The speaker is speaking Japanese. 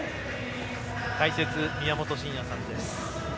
解説、宮本慎也さんです。